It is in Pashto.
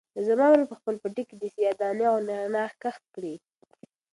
زما ورور په خپل پټي کې د سیاه دانې او نعناع کښت کړی.